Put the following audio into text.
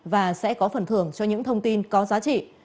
và sẽ có phần thưởng cho những thông tin có giá trị